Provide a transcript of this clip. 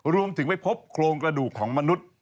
รวมถึงมาเจอโครงกระดูกของมนุษย์